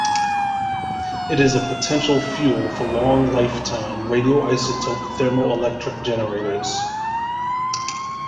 It is a potential fuel for long-lifetime radioisotope thermoelectric generators.